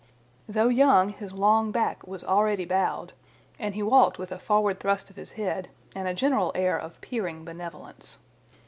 Though young, his long back was already bowed, and he walked with a forward thrust of his head and a general air of peering benevolence.